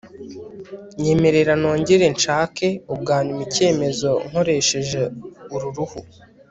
nyemerera nongere nshake ubwa nyuma icyemezo nkoresheje uru ruhu